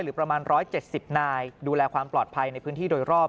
ประมาณ๑๗๐นายดูแลความปลอดภัยในพื้นที่โดยรอบ